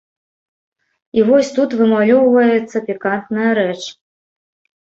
І вось тут вымалёўваецца пікантная рэч.